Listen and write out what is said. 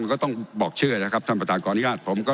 มันก็ต้องบอกเชื่อนะครับท่านประตานกรรยาช